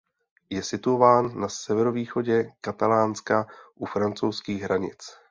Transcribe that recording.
Je situován na severovýchodě Katalánska u francouzských hranic.